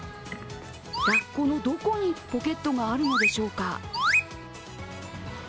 ラッコのどこにポケットがあるのでしょうか。